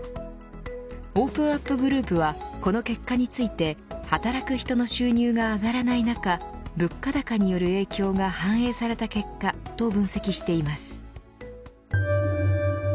オープンアップグループはこの結果について働く人の収入が上がらない中物価高による影響が反映された結果と分析しています。